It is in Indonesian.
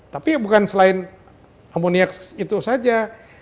tapi bukan selain amoniak itu saja